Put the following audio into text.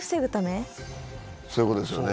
そういう事ですよね。